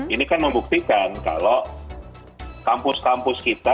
ini kan membuktikan kalau kampus kampus kita